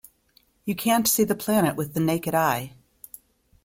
You can't see the planet with the naked eye.